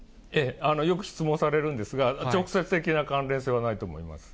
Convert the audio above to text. よく質問されるんですが、直接的な関連性はないと思います。